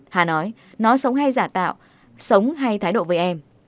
hà nói nó sống hay giả tạo sống hay thái độ với em